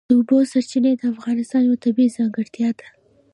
د اوبو سرچینې د افغانستان یوه طبیعي ځانګړتیا ده.